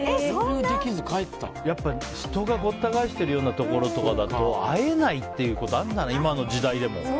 やっぱり人がごった返しているところだと会えないっていうことあるんだね、今の時代でも。